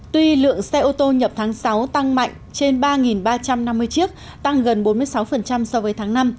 tuy lượng xe ô tô nhập tháng sáu tăng mạnh trên ba ba trăm năm mươi chiếc tăng gần bốn mươi sáu so với tháng năm